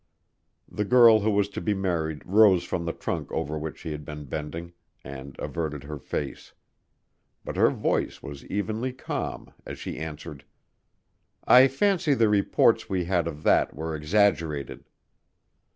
The girl who was to be married rose from the trunk over which she had been bending and averted her face, but her voice was evenly calm as she answered: "I fancy the reports we had of that were exaggerated."